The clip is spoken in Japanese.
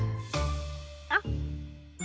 あっ。